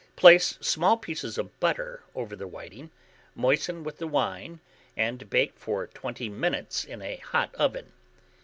Place small pieces of butter over the whiting, moisten with the wine, and bake for 20 minutes in a hot oven.